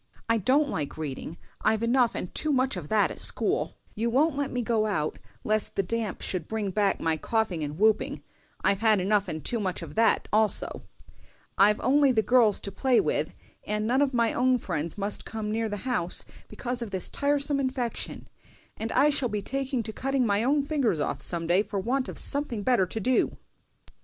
I don't like reading, I've enough and too much of that at school; you won't let me go out, lest the damp should bring back my coughing and whooping—I've had enough and too much of that also; I've only the girls to play with, for none of my own friends must come near the house because of this tiresome infection; and I shall be taking to cutting my own fingers off some day for want of something better to do!"